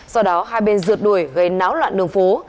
do đó hai bên rượt đuổi gây náo loạn đường phố